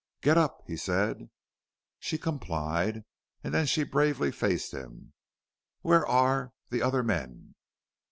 "Get up," he said. She complied. And then she bravely faced him. "Where are the other men?"